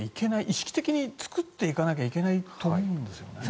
意識的に作っていかなきゃいけないと思うんですよね。